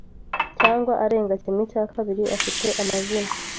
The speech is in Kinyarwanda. cyangwa arenga kimwe cya kabiri afite amazina